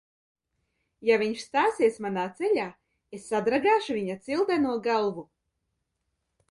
Ja viņš stāsies manā ceļā, es sadragāšu viņa cildeno galvu!